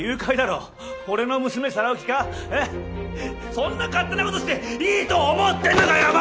そんな勝手な事していいと思ってんのかよお前！